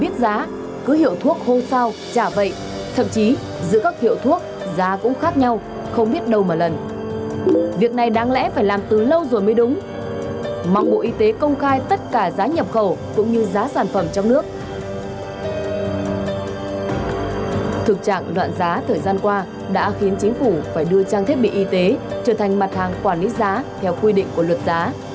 trang thiết bị y tế trở thành mặt hàng quản lý giá theo quy định của luật giá